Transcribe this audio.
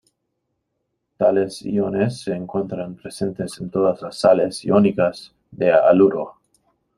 Tales iones se encuentran presentes en todas las sales iónicas de haluro.